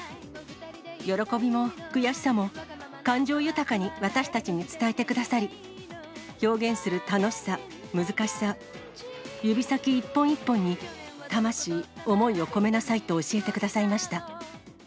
喜びも悔しさも、感情豊かに私たちに伝えてくださり、表現する楽しさ、難しさ、指先一本一本に魂、思いを込めなさいと教えてくださいました。